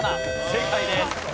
正解です。